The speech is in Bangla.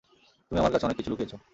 তুমি আমার কাছে অনেক কিছু লুকিয়েছ।